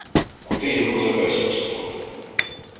Куди його Зевес послав.